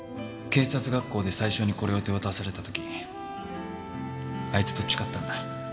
警察学校で最初にこれを手渡された時あいつと誓ったんだ。